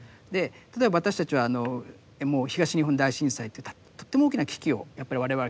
例えば私たちはもう東日本大震災というとっても大きな危機をやっぱり我々経験した。